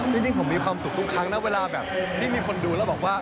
จริงผมมีความสุขทุกครั้งนะเวลาแบบที่มีคนดูแล้วบอกว่า